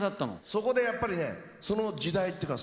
そこでやっぱりねその時代っていうか